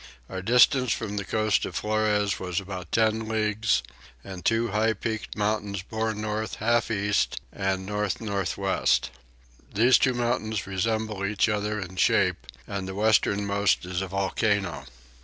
Our distance from the coast of Flores was about 10 leagues; and two high peaked mountains bore north half east and north north west. These two mountains resemble each other in shape and the westernmost is a volcano.